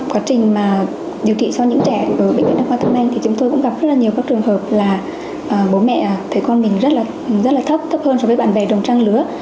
quá trình mà điều trị cho những trẻ ở bệnh viện đa khoa tâm anh thì chúng tôi cũng gặp rất là nhiều các trường hợp là bố mẹ thấy con mình rất là thấp thấp hơn so với bạn bè đồng trang lứa